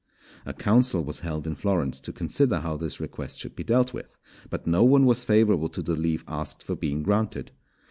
A council was held in Florence to consider how this request should be dealt with, but no one was favourable to the leave asked for being granted.